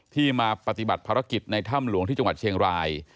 ที่มาปฏิบัติภารกิจในถ้ำหลวงที่จังหวัดเชียงราย